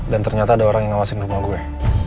dan ternyata ada orang yang ngawasin rumah gue